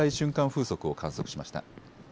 風速を観測しました。